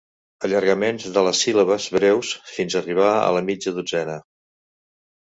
Allargaments de les síl·labes breus fins arribar a la mitja dotzena.